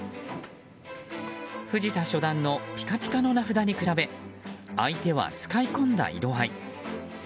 藤田初段のピカピカの名札に比べ相手は使い込んだ色合い。